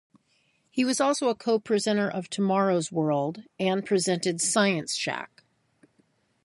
He was also a co-presenter of "Tomorrow's World", and presented "Science Shack".